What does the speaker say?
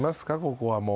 ここはもう。